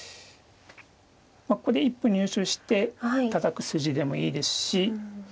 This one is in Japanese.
ここで一歩入手してたたく筋でもいいですし。